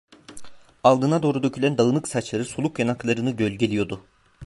Alnına doğru dökülen dağınık saçları soluk yanaklarını gölgeliyordu.